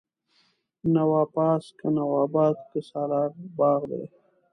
نواپاس، که نواباد که سالار باغ دی